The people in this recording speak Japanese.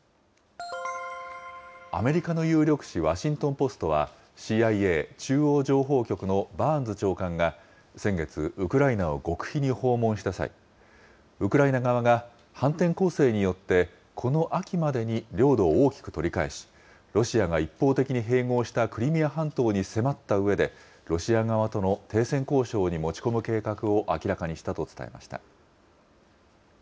アメリカの有力紙、ワシントン・ポストは、ＣＩＡ・中央情報局のバーンズ長官が、先月、ウクライナを極秘に訪問した際、ウクライナ側が反転攻勢によってこの秋までに領土を大きく取り返し、ロシアが一方的に併合したクリミア半島に迫ったうえで、ロシア側との停戦交渉に持ち込む計画を明らかにしたと伝えました。